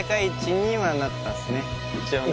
一応ね。